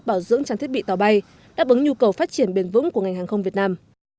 bảo dưỡng trang thiết bị tàu bay đáp ứng nhu cầu phát triển bền vững của ngành hàng không việt nam